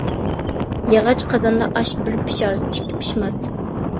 ياغاچ قازاندا ئاش بىر پىشار، ئىككى پىشماس.